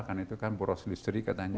kan itu kan boros listri katanya